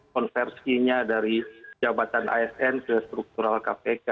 konversinya dari jabatan asn ke struktural kpk